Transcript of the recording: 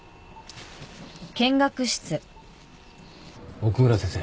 奥村先生